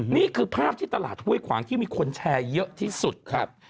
นี่คือภาพที่ตลาดห้วยขวางที่มีคนแชร์เยอะที่สุดครับ